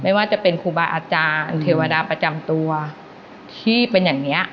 ว่าจะเป็นครูบาอาจารย์เทวดาประจำตัวที่เป็นอย่างนี้